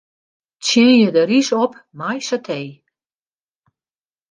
Tsjinje de rys op mei satee.